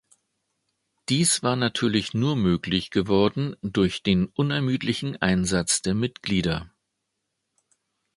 Dies war natürlich nur möglich geworden durch den unermüdlichen Einsatz der Mitglieder.